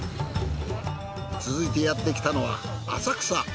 続いてやってきたのは浅草。